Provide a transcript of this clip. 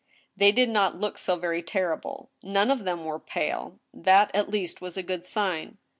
They did not look so very terrible. None of them were pale. That, at least, was a good sign.